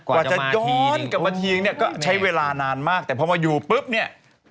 กว่าจะย้อนกลับมาทิ้งเนี่ยก็ใช้เวลานานมากแต่พอมาอยู่ปุ๊บเนี่ย